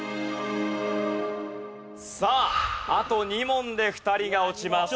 さああと２問で２人が落ちます。